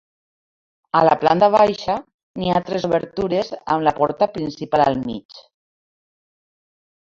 A la planta baixa hi ha tres obertures amb la porta principal al mig.